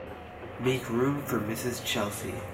Make room for Mrs. Chelsea.